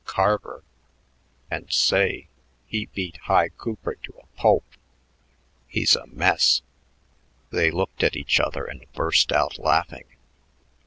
"Carver! And, say, he beat Hi Cooper to a pulp. He's a mess." They looked at each other and burst out laughing.